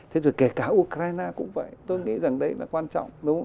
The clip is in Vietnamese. thế rồi kể cả ukraine cũng vậy tôi nghĩ rằng đấy là quan trọng